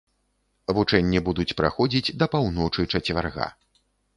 Вучэнні будуць праходзіць да паўночы чацвярга.